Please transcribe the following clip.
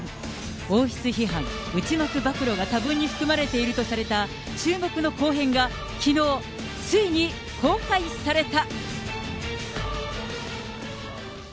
王室批判、内幕暴露が多分に含まれているとされた注目の後編がきのう、ついに公開された。